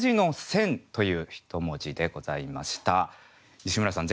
西村さん